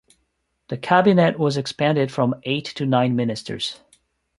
The cabinet was expanded from eight to nine ministers.